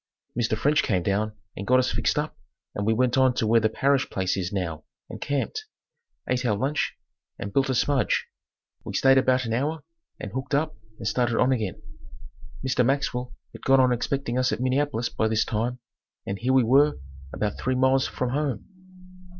Mr. French came down and got us fixed up and we went on to where the Parrish place is now and camped, ate our lunch and built a smudge. We stayed about an hour and hooked up and started on again. Mr. Maxwell had gone on expecting us at Minneapolis by this time and here we were about three miles from home.